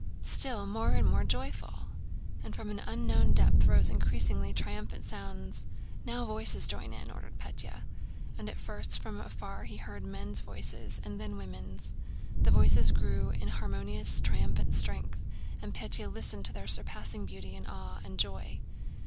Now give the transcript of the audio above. Still more and more joyful!" And from an unknown depth rose increasingly triumphant sounds. "Now voices join in!" ordered Pétya. And at first from afar he heard men's voices and then women's. The voices grew in harmonious triumphant strength, and Pétya listened to their surpassing beauty in awe and joy.